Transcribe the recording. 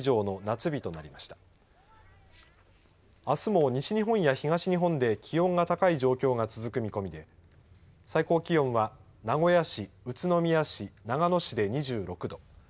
あすも西日本や東日本で気温が高い状況が続く見込みで最高気温は名古屋市、宇都宮市、長野市で２６度。